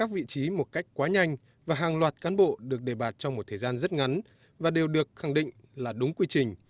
và hàng loạt cán bộ được đề bạt trong một thời gian rất ngắn và đều được khẳng định là đúng quy trình